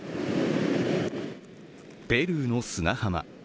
ペルーの砂浜。